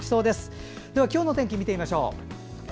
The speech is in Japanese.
では、今日の天気を見てみましょう。